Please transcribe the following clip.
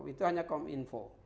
itu hanya kominfo